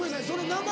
名前！